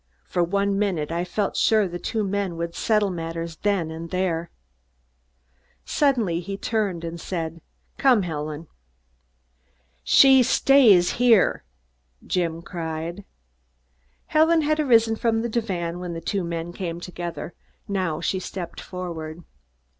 For one minute I felt sure the two men would settle matters then and there. Suddenly he turned and said: "Come, Helen!" "She stays here!" Jim cried. Helen had arisen from the divan when the two men came together. Now she stepped forward.